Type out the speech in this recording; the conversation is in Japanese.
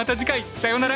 さようなら！